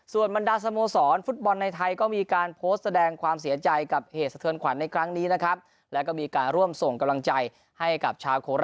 ส่วนบรรดาสโมสรฟุตบอลในไทยก็มีการโพสต์แสดงความเสียใจกับเหตุสะเทือนขวัญในครั้งนี้นะครับ